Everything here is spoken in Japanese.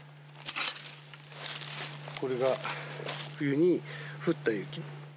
これが冬に降った雪。